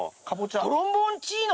トロンボーンチーノ。